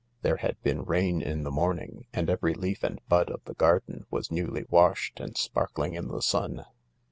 There had been rain in the morning, and every leaf and bud of the garden was newly washed and sparkling in the sun.